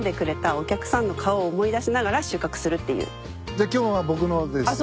じゃ今日は僕のですね。